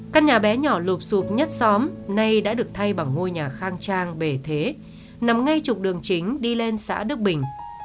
căn nhà bé nhỏ lụp rụp nhất xóm nay đã được thay bằng ngôi nhà khang trang bề thế nằm ngay trục đường chính đi lên xã đức bình